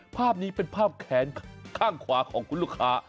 ภาพนี้เป็นภาพแขนข้างขวาของคุณลูกค้า